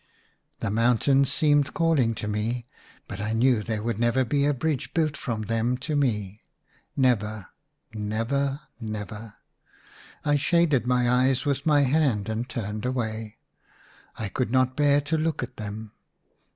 The mountains seemed calling to me. I02 IN A RUINED CHAPEL. but I knew there would never be a bridge built from them to me ; never, never, never ! I shaded my eyes with my hand and turned away. I could not bear to look at them.